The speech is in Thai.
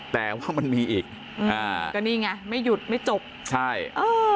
แต่ว่ามันมีอีกอ่าก็นี่ไงไม่หยุดไม่จบใช่เออ